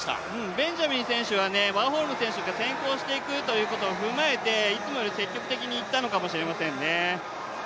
ベンジャミン選手はワーホルム選手に先行していくということを踏まえていつもより積極的にいったのかもしれませんね。